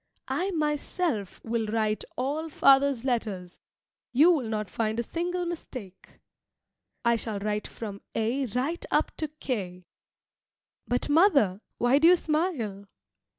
I myself will write all father's letters; you will not find a single mistake. I shall write from A right up to K. But, mother, why do you smile?